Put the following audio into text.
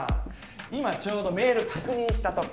今ちょうどメール確認したとこ。